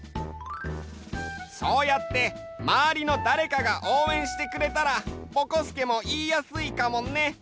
そうやってまわりのだれかがおうえんしてくれたらぼこすけもいいやすいかもね。